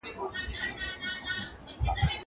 زه بايد موبایل کار کړم.